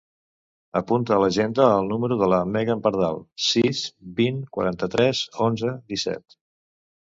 Apunta a l'agenda el número de la Megan Pardal: sis, vint, quaranta-tres, onze, disset.